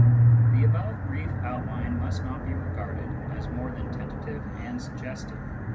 The above brief outline must not be regarded as more than tentative and suggestive.